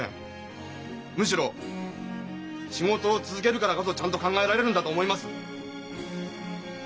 むしろ仕事を続けるからこそちゃんと考えられるんだと思います！